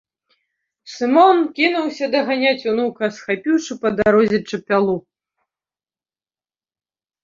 Сымон кінуўся даганяць унука, схапіўшы па дарозе чапялу.